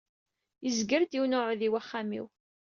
Yezger-d yiwen uɛudiw axxam-iw.